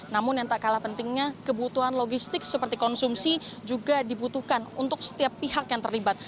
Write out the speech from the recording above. namun yang tak kalah pentingnya kebutuhan logistik seperti konsumsi juga dibutuhkan untuk setiap pihak yang terlibat